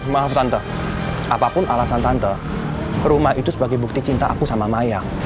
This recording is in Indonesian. maaf tante apapun alasan tante rumah itu sebagai bukti cinta aku sama maya